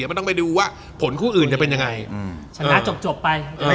ไม่ต้องไปดูว่าผลข้างอื่นจะเป็นยังไง